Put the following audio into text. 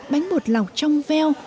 bánh bột lọc trong veo